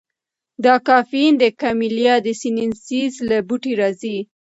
دا کافین د کمیلیا سینینسیس له بوټي راځي.